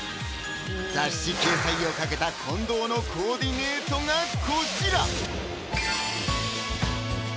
雑誌掲載を懸けた近藤のコーディネートがこちら！